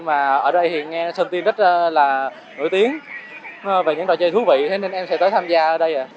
mà ở đây thì nghe sơn tiên rất là nổi tiếng về những trò chơi thú vị thế nên em sẽ tới tham gia ở đây